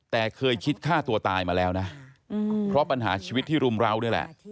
แต่เคยคิดฆ่าตัวตายมาแล้วนะเพราะปัญหาชีวิตที่รุมราวนี่แหละ